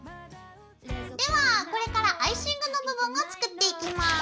ではこれからアイシングの部分を作っていきます。